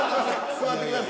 座ってください。